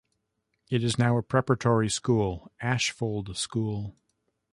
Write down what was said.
It is now a preparatory school, Ashfold School.